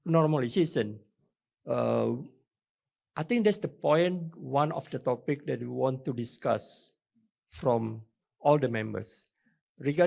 normalisasi polisi saya pikir itu adalah satu topik yang ingin kita bicarakan dari semua anggota